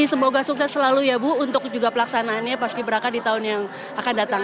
semoga sukses selalu ya bu untuk juga pelaksanaannya pas gibraka di tahun yang akan datang